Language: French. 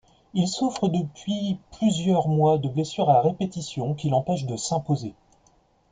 Il souffre depuis plusieurs mois de blessures à répétition qui l'empêchent de s'imposer.